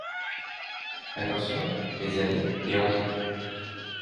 Attention, mes amis, et en joue !…